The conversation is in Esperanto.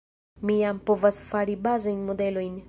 mi jam povas fari bazajn modelojn